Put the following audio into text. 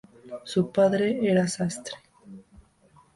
Su padre era sastre.